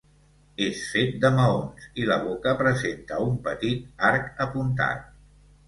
És fet de maons, i la boca presenta un petit arc apuntat.